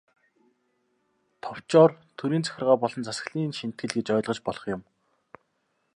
Товчоор, төрийн захиргаа болон засаглалын шинэтгэл гэж ойлгож болох юм.